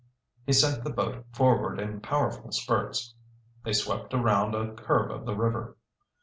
He sent the boat forward in powerful spurts. They swept around a curve of the river.